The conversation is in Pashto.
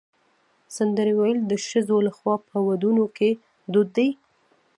سندرې ویل د ښځو لخوا په ودونو کې دود دی.